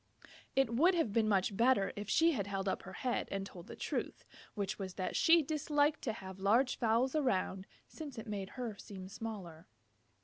It would have been much better if she had held up her head and told the truth, which was that she disliked to have large fowls around, since it made her seem smaller.